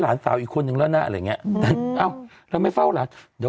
หนึ่งตาหน้าอะไรอย่างนี้เราไม่เฝ้าหรือ